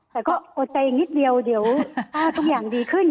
แต่ก็อดใจอีกนิดเดียวเดี๋ยวถ้าทุกอย่างดีขึ้น